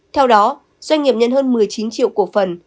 theo đó doanh nghiệp nhận hơn một mươi chín triệu cổ phần